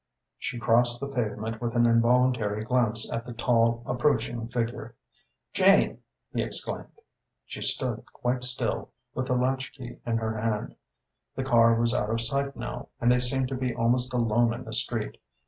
She crossed the pavement with an involuntary glance at the tall, approaching figure. "Jane!" he exclaimed. She stood quite still, with the latch key in her hand. The car was out of sight now and they seemed to be almost alone in the street.